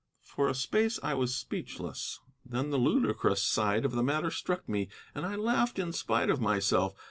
For a space I was speechless. Then the ludicrous side of the matter struck me, and I laughed in spite of myself.